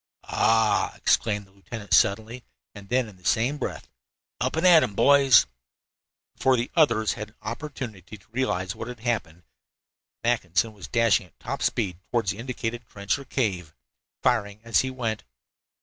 "Ah!" exclaimed the lieutenant suddenly, and then, in the same breath: "Up and at 'em, boys!" Before the others had an opportunity to realize what had happened, Mackinson was dashing at top speed toward the indicated trench or cave, firing as he went.